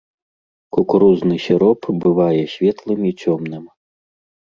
Кукурузны сіроп бывае светлым і цёмным.